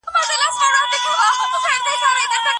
سوسیالیزم ټول څیزونه اجتماعي بولي.